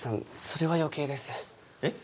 それは余計ですえっ？